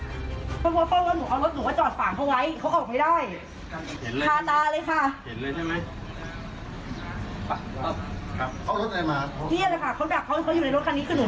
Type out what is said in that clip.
ใช่หนูเอกสารมาให้แฟนหนู